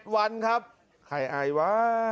๗วันครับใครอายวะ